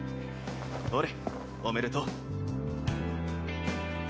ほれおめでとう。